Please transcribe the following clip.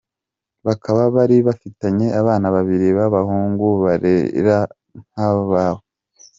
Bakaba bari bafitanye abana babiri b’abahungu barera nk’ababo.